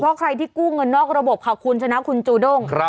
เพราะใครที่กู้เงินนอกระบบค่ะคุณชนะคุณจูด้ง